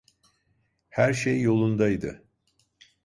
Her şey yolundaydı.